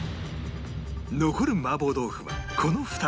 残る麻婆豆腐はこの２つ